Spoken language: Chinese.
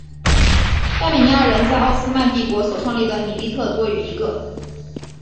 亚美尼亚人在奥斯曼帝国内所创立的米利特多于一个。